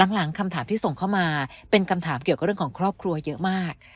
หลังคำถามที่ส่งเข้ามาเป็นคำถามเกี่ยวกับเรื่องของครอบครัวเยอะมาก